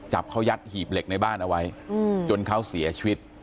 จับเขายัดหีบเหล็กในบ้านเอาไว้จนเขาเสียชีวิต